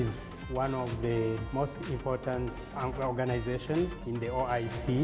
yang merupakan salah satu organisasi yang paling penting di oic